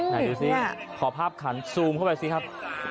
ไหนดูสิขอภาพขันซูมเข้าไปสิครับ